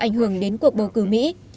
ảnh hưởng đến cuộc bầu cử mỹ